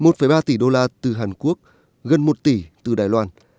một ba tỷ đô la từ hàn quốc gần một tỷ từ đài loan